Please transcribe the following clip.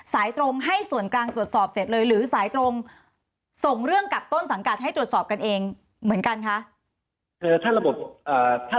สายตรงให้ส่วนกลางตรวจสอบเสร็จเลยหรือสายตรงส่งเรื่องกับต้นสังกัดให้ตรวจสอบกันเองเหมือนกันคะ